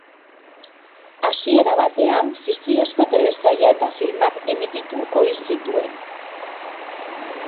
Hasiera batean fikziozko telesaila eta filmak emititu ohi zituen.